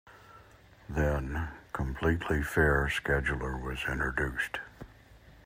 Then, Completely Fair Scheduler was introduced.